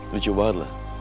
lucu banget lah